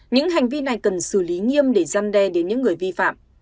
những hành vi này cần xử lý nghiêm để gian đe đến những người vi phạm